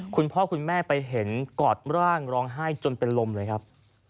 คุณพ่อคุณแม่ไปเห็นกอดร่างร้องไห้จนเป็นลมเลยครับ